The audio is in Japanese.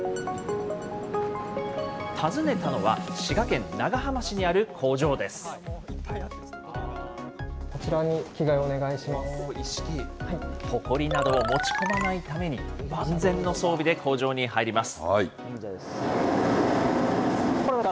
訪ねたのは、滋賀県長浜市にあるほこりなどを持ち込まないために、万全の装備で工場に入ります。